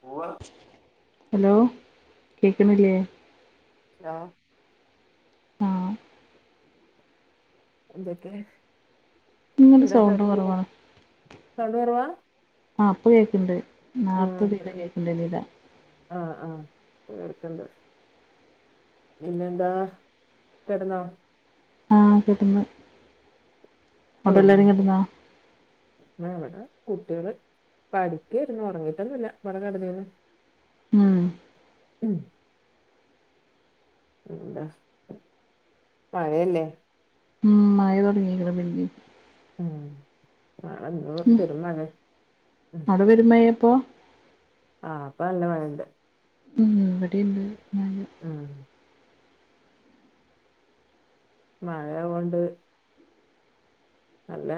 പോവാ ഹലോ കേക്ക്ണില്ലേ. ലോ. ആഹ് എന്തൊക്കെ? നിങ്ങടെ എന്താ സൗണ്ട് കിടന്ന് കൊറവാണ്. സൗണ്ട് കൊറവാ ആഹ് പ്പ കേക്ക്ണ്ട് നാർത്ത തീടെ കേക്ക്ണ്ടായ്നില്ല. ആഹ് ആഹ് പ്പ കേൾക്ക്ണ്ട്. പിന്നെന്താ കെട്ന്നോ? ആഹ് കെട്ന്ന്. അവിടെ എല്ലാരും കെ ട്ന്നോ? ആഹ് ഇവടെ കുട്ട്യേള് പഠിക്കാര്ന്നു ഒറങ്ങിട്ടൊന്നുല്ല ഇവടെ കട്ന്നീന്നു ഉം ഉം പിന്ന മഴയല്ലേ ഉം മഴ തൊട്ങ്ങീക്ക്ണ് പിന്നിം ഉം [unintelligible] ഉം പെരും മഴേ അവിടെ പെരും മഴേപ്പൊ ആഹ് പ്പ നല്ല മഴണ്ട്. ഉം വാടീം ണ്ട് ഉം മഴ കൊണ്ട് നല്ല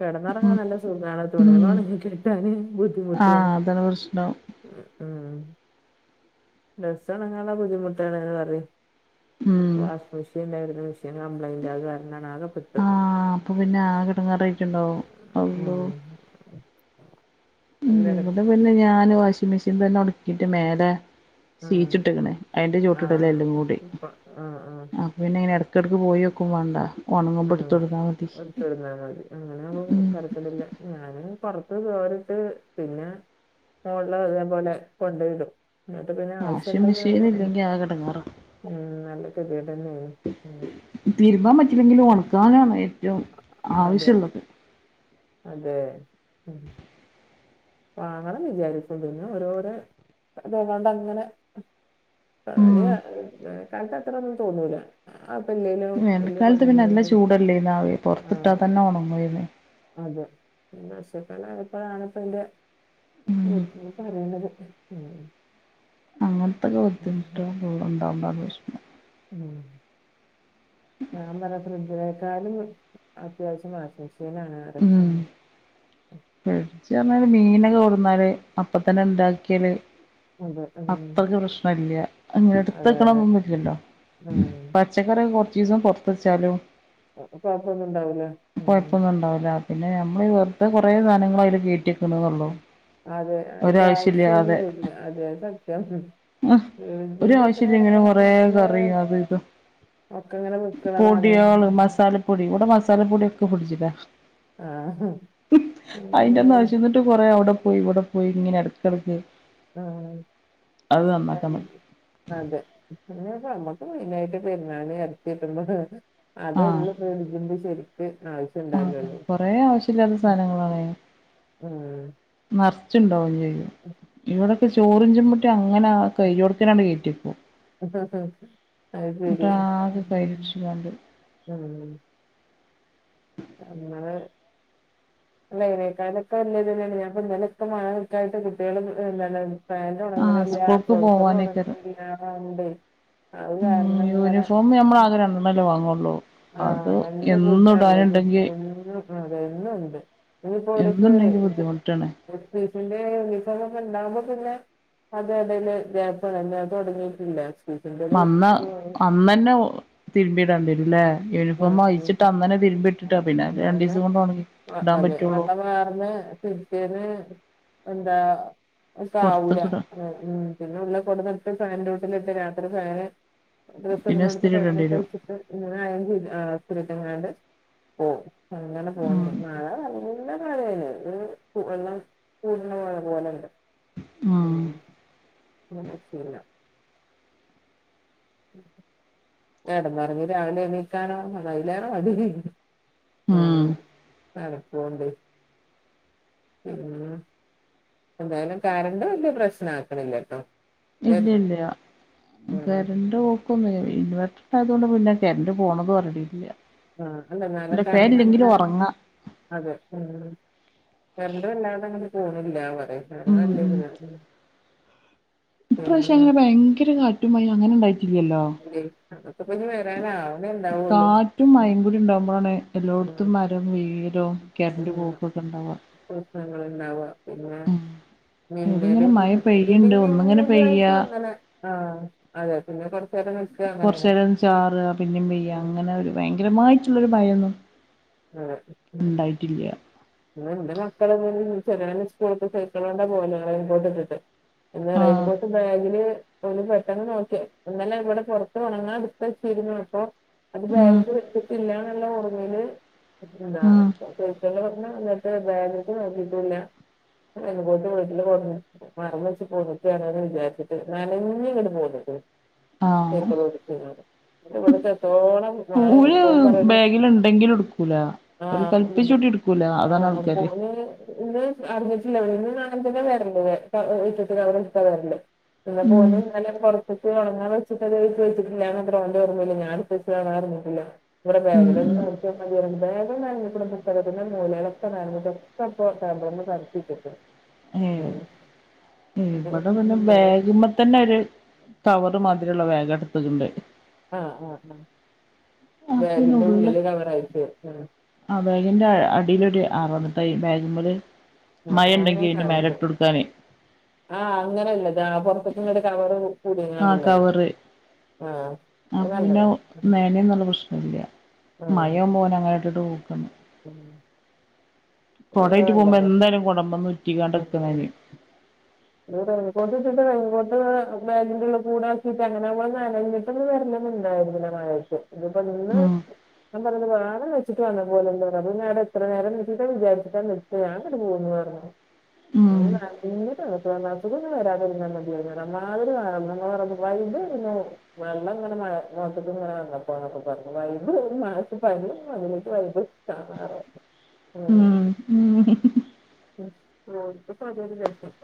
കെടന്നൊറങ്ങാൻ നല്ല സുഖാണ്. ഉം തുണിയള് ഒണങ്ങി കിട്ടാന് ബു ദ്ധിമുട്ടുവാണ്. ആഹ് അതാണ് പ്രശ്നം ഉം ഉം ഡ്രസണങ്ങാള്ള ബുദ്ധിമുട്ടാണ്ന്ന് പറി ഉം വാഷി മിഷീൻണ്ടായിര്ന്നു. മെഷീൻ കംപ്ലൈന്റ് അത് കാര്ണാണ് ആകെപ്പെട്ടു ആഹ് അപ്പൊ പിന്നെ ആഹ് കിട്ടുന്ന റേറ്റ് ഉണ്ടാവും ഉള്ളൂ അല്ലേ ഇവിടെ പിന്നെ ഞാൻ വാഷിംഗ മെഷനി തന്നെ ഉടുക്കിയിട്ട് മലെ ഉം ചീച്ചിട്ടിങ്ങണെ അയിന്റെ ചൂട്ടട്ടല്ലാം ആഹ് എല്ലാം കൂടി ആഹ് ആഹ് അഹ് പിന്നെ ഇങ്ങനെ ഇടക്കിടക്ക് പോയിക്കും വേണ്ട ഉണങ്ങുമ്പോ എടുത്തൊടുത്താ മതി അങ്ങനാവോ ഉം [unintelligible] ഞാനൻ പുറത്ത് കേറിട്ട് പിന്നെ മോളിലെ അതേപോലെ കൊണ്ടു വരും വാഷിംഗ് മെഷീൻ ഇല്ലെങ്കിൽ ആകെ കിടങ്ങാറാ ഉം നല്ല കെരിട തന്നെയ തീരുമ്പാൻ പറ്റില്ലെങ്കിലും ഉണക്കാനാണ് ഏറ്റവും അതെ ആവശ്യമുള്ളത് അതെ ഉം അങ്ങണം വിചാരിച്ചന്നെ ഓരോരോ ഇതാണ്ടങ്ങനെ ഉം കട്ട വേണ്ടാത്ത അത്രൊന്നും തോന്നൂല ആപ്പല്ല വനൽക്കാലത്ത് പിന്നെ എല്ലാം ചൂടല്ലേന്നാവ ആ പുറത്തി ഇട്ടാ തന്നെഓണങ്ങന്ന് അതെ പിന്നെ ആക്ഷക്കാല ഇപ്പോഴാണ് ഇപ്പ എന്റെ ഉം അ പറയണത് അങ്ങനത്തെൊക്കെ ബുദ്ധിമുട്ട് ഗണ്ടാവണ്ടോഷം ഞാൻ പറയും ഫ്രിഡ്ജിനേക്കാളും അത്യാവശ്യം വാഷിംഗ് മിഷനാ [inaudible] ഉം ഫ്രിഡ്ജ് പറഞ്ഞാല് മീനൊക്കെ കൊടുന്നാല് അപ്പ തന്നെ ഉണ്ടാക്കിയാല് അതെ ഉം. അത്രക്ക് പ്രശ്ന ഇല്ല അങ്ങനെ അതെ അതെ എടുത്തക്കണന്നും പില്ലല്ലോ ഉം. പച്ചക്കറി കുറച്ച് ദിവസം പുറത്ത വച്ചാലും കുഴപ്പമൊന്നും ഇണ്ടാവൂല പ്പൊന്നും ഉണ്ടാവില്ല പിന്നെ നമ്മൾ വെറുതെറെേ സധനങ്ങള അതിൽ ക കേട്ടിക്കുന്നള്ളോ അതെ അതിന്റെ ആവശ്യന്നുല്ല അതുതന്നെ അത്യാവശ്യം ആ ഒ ആവശ്യല്ല ഇങ്ങനെ കൊറെ കറിയും അത് ഇത് ഒക്ക ഇങ്ങനെ വെക്കുള്ളതാണ് മസാലപ്പൊടി കൂടെ മസാല പൊടി ഒക്കെ പിടിച്ചില്ല ആഹ് അയിന്റെ ഒന്നാവവശ്യംന്നിട്ട് കൊറേ അവിടെ പോയി ഇവിടെ പോയി ഇങ്ങനെ ഇടക്കിടക്ക് ആഹ് നിക്കും അതെ അങ്ങെ നമ്മുക്ക് മെയിന ആയിട്ട് പെരുന്നാളി അടുത്തിട്ടുമ്പോ അതള്ള ആഹ് പളിക്കുമ്പോ ശരി ആവശ്യം അതെ ഉണ്ടന്നണ്ട് കൊറേ ആവശ്യല്ലാത്ത നിറച്ചുണ്ടാവുന് ചോയിക്കുന്നു ഇവിടെക്കെ ചോറിഞ്ചുമ മുട്ടി അങ്ങനെ കവിടത്തനാണ് കയറ്റിപ്പോ അത് ശരിയ എന്നിട്ടാകെ ഉം കയ്യിലിടിച്ച്കാണ്ട് എങ്ങള് അല്ല ഇതിനേക്കാലൊെ വല തന്നെയാണ് ഞാൻ ഇന്നലൊക്കെ മഴട്ടായിട്ട് കുട്ടികളും എ പാൻറ് ആഹ് ഉണങ്ങില്ല സ്കൂൾക്ക് ട്രൗസറ പോവാനേക്കാരം ഉണങ്ങില്ല ഉണ്ട് അത് കാരണങ്ങനെ ഒന്നല്ലേ വാങ്ങുകയുള്ളൂ ആഹ രണ്ട് കൂട്ടാള്ള ചും അതെുംുണ്ട് ഇപ്പോലിക് എന്നുണ്ടെങ്കി ബുദ്ധിമുട്ടാണ് യൂണിഫോം ഒക്കെ ഇണ്ടകുമ്പോ പിന്നെ അത അടയില് ജേപ്പന്നെ തുടങ്ങിയിട്ടില്ല പി സിന്റെ ഒരു അന്ന് ആഹ് അന്ന് തന്നെ തിരുമ്പിടാണ്ടിരുല്ലേ യൂണിഫോം വായിച്ചിട്ട്ന്നനെതിരുമ്പി ഇട്ടിട്ടാ ആഹ് പിന്നെ രണ്ട് ദിവസം കൊണ്ട് ഉണങ്ങി ഇണ്ടാൻ പറ്റും വെള്ള വർന്ന് പിറ്റേന്ന് എന്താ ആവൂല പൊറത്ത്ക്കിടാ ഉം പിന്നെള്ള കൊടനട്ട് ഫാന്റെറെ വീട്ടിലിട്ട് രാത്രി ഫാന് ഡ്രസ്ല്ലാം പിന്നെ നടത്ത് ഇസ്തിരി സേന ഇടേണ്ടി വരും കഴിച്ചിട്ട് ഇങ്ങനെ ചെയങ്ങാണ്ട് [unintelligible] പോ അങ്ങനെ പോണ്ട് ഉം നളെ വള്ളം കൂടണ പോലെുണ്ട് ഉം ഉ എന്നെ ശരി [unintelligible] കിടന്നുറങ്ങി രാവിലെ എണീക്കാൻ അതിലേറെ മടി ഉം [unintelligible] എന്തായാലും കാരണ്ട് വലിയ പ്രശ്നം ആക്കണില്ല കേട്ടോ ഇല്ല ഇല്ല ഉം കറണ്ട് ഇൻവർട്ടർണ്ടായതു കൊണ്ട് പിന്നെ കറന്റ് പോണത് അറിയില്ല ആഹ്ന്നാലും കറണ്ട് അങ്ങനെ ഒറങ്ങാ അതെ ഉ കറണ്ട് വല്ലാതെ അങ്ങനെ പോണില്ല വറെ ആ ഉം അല്ല ഉം ഇപ്രാവിശ്യം അങ്ങനെ ഭയങ്കര കാറ്റും മഴയും അങ്ങനെ ഉണ്ടായി ല്ലോ അല്ലേ അതൊക്കെ ഇപ്പ ഇനി വരാനാവണേ ഉണ്ടാവുള്ളൂ കാറ്റും ഉം മയയും ഉണ്ടാവകുമ്പോഴാണ് ഉം എല്ലായിടത്തും മരം വീയലും കിരണ്ട പോക്കൊക്കെ ഉണ്ടാവുക പ്രശ്നങ്ങൾ ഇണ്ടാവാ പിന്നെ ഉം ഇതിങ്ങനെ മിന്നലും മഴ ഇടി പെയ്യുണ്ട് ഒന്നിങ്ങനെ മന്നലും പെയ്യ ആയിട്ടും അങ്ങനെ ആ അതെ പിന്നെ കുറച്ച നേര കുറച്ച നേരം ചാറ് പിന്നും വെയ്യ ഉം അങ്ങനെ ഒരു ഭയങ്കരമായിട്ടുള്ളരു ഭയന്നു [unintelligible] ഇ എന്റെ മക്കളെ സ്കൂള സൈക്കിൾ കൊണ്ട പോവൽ ഇൻപോട്ട ഇട്ടിട്ട് എന്നാ ആഹ് റെയിൻകോട്ട് ബേഗിൽ പെട്ടെന്ന് നോക്കിയ ഇന്നലെ ഇവിടെ പുറത്ത് ഉണങ്ങാൻ എടുത്ത വച്ചിരുന്നു അപ്പൊ അത് ഉം ബേഗിൽ വെച്ചിട്ടില്ല എന്നുള്ള ഓർമ്മയില് ഉം വട്ട പറഞ്ഞ എന്നിട്ട് ബാഗ് നോക്കിട്ടില്ല എന്ന പോയിട്ട് വീട്ടില് പറഞ്ഞു മറന്ന് വെച്ച് പോന്നിട്ടാണന്ന് വിചാരിച്ചിട്ട് നഞ്ഞാഞ്ജ് ഇങ്ങട്ട് പോന്നുകുണൂ ആഹ് എന്റെ ഇവിടുത്തെ എത്തോളം മഴ സ്കൂൾ മോൻ പറയണ് ബാഗിൽ ഉണ്ടെങ്കിലും എടുക്കൂല ആ ഓർ ഇത് കല്പ്പിച്ചൂട്ടി എടുക്കൂല അതാണ് ആ ആൾക്കാര് മോന് ഇന്ന് അർജന്റീന ഇന്ന് നക്കെ വരല്ല വീറ്റത്തി നക്കെ വരല്ല [unintelligible] [unintelligible] ഉം ഇവിടെ ഉം ഉം ബാഗിലൊന്നും [inaudible] വേഗം ന്നഞ്ഞക്ക്ണ് പ്പോ ഉത്തരത്തിന്റെ മൂലഓടോക്കെപ്പോ തകർന്ന് പരത്തിട്ട്ക്കാ. ആഹ് ഇമ്പടെ പിന്നെ ബാഗുമ്മതന്നൊര് കവറ് മാതിരിള്ള ബെഗാ ഇട്ത്ത്ക്ക്ണ്ട്. ആഹ് ആഹ് ആഹ് ബെഗിന്റെ ഉള്ളില് കവറയിര്ക്കും ഉം ആഹ് ബെഗിന്റെ അടിലൊര് അറ ന്ന്ട്ടയ് ബെഗുമെല് ആഹ് ആഹ് മഴണ്ടെങ്കി ഞാൻ അയിന്റെ മേലെ കണ്ടു ഇട്ടോട്ക്കാന്. ആഹ് അങ്ങനെല്ലത് ആഹ് പൊർത്ത്ക്ക്ങ്ങനെ ഒര് കവറ് കൂടികാണ്ട് ഉള്ളത്. ആഹ് അപ്പൊ പിന്നെ ന്നനയും എന്നു ള്ള പ്രശ്നല്ല്യ ആഹ് മയവുമ്പോനങ്ങട്ട് [unintelligible] ഉം അതാണ് കൊടെറ്റ് പോവുമ്പോ നല്ലത് എന്തായാലും കോടമ്മന്ന് ഉറ്റിക്കാണ്ട്ഇക്കാണ് അയ്‌ന്. [inaudible] ഇത് റെയിൻകൊട്ട് ഇട്ട്ട്ട് റെയിൻകൊട്ട് ബാഗിൻ്റെ ഉള്ള്ക്കുടെ ആക്കിട്ട് അങ്ങനെ ആകുമ്പോ അത് നനഞ്ഞ് പെട്ടെന്ന് വരണം എന്ന് ഉണ്ടായിരുന്നില്ല മഴയത്ത് ഇതിപ്പൊ ഇന്ന് ഉം ഞാൻ പറയത് വേണം വെച്ചി്ട്ട് വന്ന പോലെല്ലെ ഇത്തരിം ന്നേരം എത്രന്നേര ന്നേര്തിട്ടാ വിചാരിച്ച്ട്ടാ ന്നിക്കാ ഞാൻ ഇങ്ങട്ട് പോന്നു അർഞ്ഞു. ഉം മോൻ നനഞ്ഞിട്ട നിക്കുന്നത് അസുഖം ഒന്നും വരാതിര്ന്നാ മതി അമ്മതിരി [unintelligible] വൈഡ് ഇരുന്ന് വെള്ളംങ്ങനെ മഴ മൊത്ക്ക് ഇങ്ങനെ വന്നപ്പോ ന്നൊക്കെപറഞ്ഞു വൈബ് മാറാത്ത പനി അതിലേക്ക് വൈബ്. ആഹ് ഉം ഉം ഹ് ഹ് ഹ് ഉം ഓൽക്കപ്പതൊര് രസം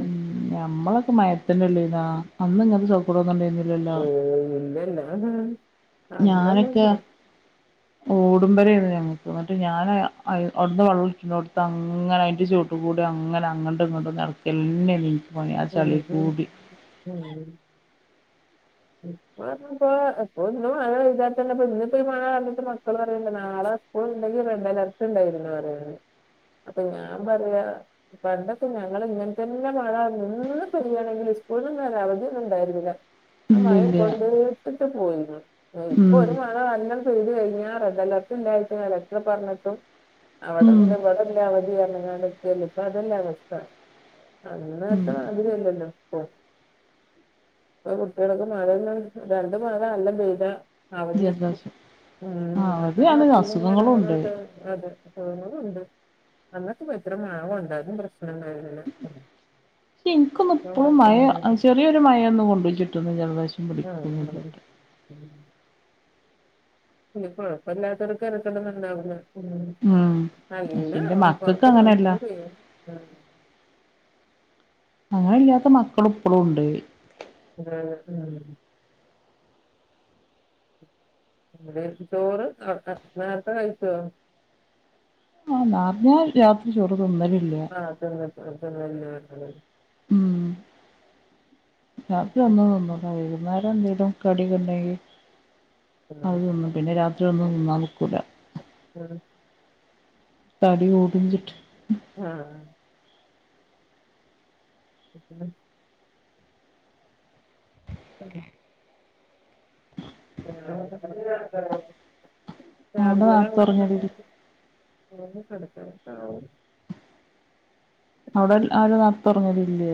ഉം ഞമ്മളൊക്കെ മഴത്തെന്നെല്ലയ്ന്നൊ അന്ന് ഇങ്ങൻത്തെ സോക്കടോന്നുംണ്ടെര്ന്നില്ലല്ലോ. അതെ ഞാനൊക്കെ ഓടുമ്പരേന്നു ഞങ്ങക്ക് മറ്റേ ഞാന് അയ് ഔട്ന്ന് വള്ള ഒലിച്ച്ണോട്ത്തന്നങ്ങനെ അയിന്റെ ചോട്ട് ത്തുടെ അങ്ങനെ അങ്ങട്ടും ഇങ്ങട്ടുംന്നടക്കന്നെ ഇൻക്ക് പണി ആഹ് ഉം ചളി ഉം കൂടി. ഉം ഇപ്പ ഇപ്പൊന്നും വിചാരിച്ചോണ്ട് ഇന്നിപ്പോ മഴ കണ്ടിട്ട് മക്കള് പറയണ്ട് ന്നാളെ. സ്കൂൾണ്ടെങ്കി റെഡ് അലേർട്ട് ഉണ്ടായിനുന്ന് പറയാ അപ്പൊ ഞാൻ പറയാ പണ്ടൊക്കെ ഞങ്ങള് ഇങ്ങൻതന്നെ മഴ ന്നിന്ന് പെയ്യാണെങ്കിലും സ്കൂളിനൊന്നും ഒര അവധി ഒന്നും ഉണ്ടായ്ര്ന്നില. ആഹ് മഴ ഇല്ലില്ല കൊണ്ട്ട്ടിട്ട് പോയിന്നു ഇപ്പൊ ഉം ഒരു മഴ ന്നല്ലാ പെയ്യ്ത് കഴിഞ്ഞാ റെഡ്അലർട്ട് ഇണ്ടായിരിക്കും കലക്ടർ പറഞ്ഞിട്ട് ഉം അവടെണ്ട് ഇബെടെണ്ട് അവതി അർഞ്ഞ്ക്കാണ്ട്. ഇന്നിപ്പോ അതല്ല ഉം അവസ്ഥഅന്നത്തെ മാതിരിയല്ലല്ലോ ഇപൊ. ഇപ്പൊ കുട്ടികൾക്ക് മഴന്നും രണ്ട് മഴന്നല്ലോം പെയ്താ അവധി ജലദോഷം ഉം ആ അത് [unintelligible] അസുഖങ്ങളും ഉണ്ട് വിവരങ്ങളൊക്കെ അതെ തോന്നുന്നുണ്ട് അന്നോക്കെ ഇപ്പെത്ര മയകൊണ്ടത അതൊന്നും പ്രശ്നംണ്ടയ്ന്നിലാ. പക്ഷേ ഇൻക്കൊന്നു ഇപ്പളും മ അഹ് ചെറിയൊരു മഴ കൊണ്ടേച്ച്ട്ടോന്നും ജലദോശം ആഹ് ആഹ് പിന്നെ കൊഴപ്പല്ലാത്തവർക്ക് തെരക്കെടോന്നുംണ്ടാവുലാ. ഉം ഉം പക്ഷെ അങ്ങനെ എന്റെ മക്കൾക്ക് പൊറത്ത് അങ്ങനെയല്ല അതാ പെയ്യ്ണ് അങ്ങനെ ഇല്ലാത്ത മക്കള് ഇപ്പളുണ്ട്. ആഹ് ആഹ് ഔടെ ചോറ് നേർത്തെ നേർത്തെ കഴികൊ? ആഹ് ന്നാർത്തെ രാത്രി ചോറ് തിന്നലില്ല [unintelligible] ഉം രാത്രി ഒന്നും തിന്നൂല വൈകുന്നേരം എന്തേലും കടി ഒകെ ഉണ്ടെങ്കിൽ അത് ഉം തിന്നും പിന്നെ രാത്രി ഒന്നും തിന്നാൽ നിക്കൂല്ല ഉം തടി കൂടും ന്ന് വെച്ചിട്ട് ആഹ ഉം [unintelligible] അവിടെ നേരത്തെ ഉറങ്ങലില്ലേ [unintelligible] [unintelligible] അവിടെ ആരും നേരതോറങ്ങലില്ലേ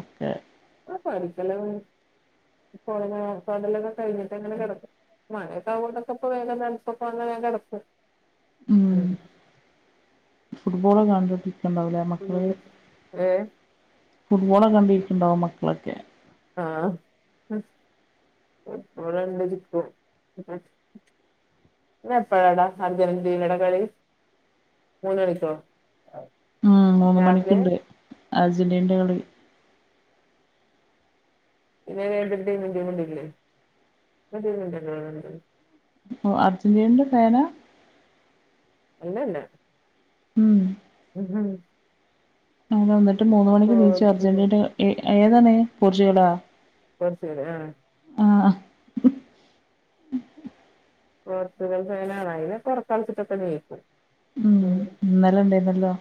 ഓക്കേ ആ പടിക്കലം കുറെ കഴിഞ്ഞിട്ട് അങ്ങനെ കിടക്കും മഴയൊക്കെ ആവുമ്പോ ഇവിടൊക്കെ വേഗം ഇ പ്പക്കെ വന്ന വേഗം കിടക്കും ഉം ഫുട്ബോള കണ്ടട്ട ണ്ടാവലേ മക്കള് ഏ ഫുട്ബോള കണ്ടിരിക്കണ്ടാവും മക്കളൊക്കെ ആഹ അടെണ്ട ചിക്കും ഇനിപ്പഴാടാ അർജെന്റീനടെ കളി മൂന്നണിക്കോ ഉം മൂന്ന് മണിക്കുണ്ട് അർജന്റീനന്റെ കളി പിന്നെ [unintelligible] [unintelligible] ഓഹ് അർജന്റീനന്റെ ഫേന? അല്ലല്ല ഉം ഉം ഉം അങ്ങനെ വന്നിട്ട് മൂന്ന് മണിക്ക് നീചോ പോർച്ചുഗൽ അർജന്റീനഏ ഏതാണ് പോർച്ചുഗലാ പോർച്ചുഗല് ആഹ ആഹ പോർച്ചുഗൽ ഫെനാണെ അയിന് പുറക്കാൻച്ചിട്ടൊക്കെ ജയിക്കും ഉം ഇന്നലെ ഇണ്ടർന്നല്ലോ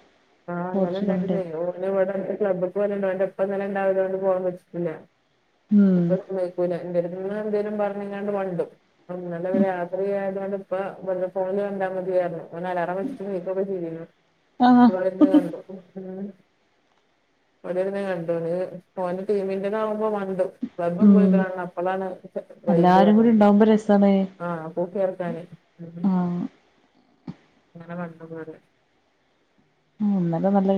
ആഹ് ഇന്നലെ പോർച്ചുഗൽണ്ടെ ഇണ്ടായിരുന്നേ ഓന് ഇവിടെ ക്ലബ്ബ് പോകലുണ്ട് അവന്റെ ഇപ്പന്നലെ ഇണ്ടായതോണ്ട് പോവ പറ്റിട്ടില്ല ഉം ഇപ്പ സമമയിക്കൂലേ എന്തേലും ഇങ്ങനെ എന്തേലും പറഞ്ഞങ്ങാണ്ട് മണ്ടും അത് വരെ ഫ്രീആയത് കൊണ്ട് ഇപ്പ വട്ന്ന് ഫോണില് കണ്ടാൽമതീയറിഞ്ഞു അലാറം വെച്ചിട്ടെണീക്കൊക്കെ ചെയ്തിക്കുന്നു ആഹ് അവിടെന്ന് കണ്ടോ അവിടെ ഇരുന്ന കണ്ടു ഓന്റെ ടീമിന്റെേന്നാകുമ്പോ മണ്ടും ക്ലബ്ബ് ഉം പോയികാണണം അപ്പളാണ് വൈബ് എല്ലാരും കൂടി ഉണ്ടാവുമ്പോ രസാണ് ആഹ പൂ കേർക്കാന് അല്ലെങ്കി ആഹ് [unintelligible] മണ്ടും വരെ ഉം ഇന്നല നല്ല